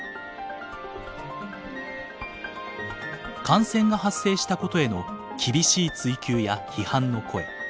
感染が発生したことへの厳しい追及や批判の声。